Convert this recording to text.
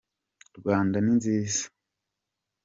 rwanda ni nziza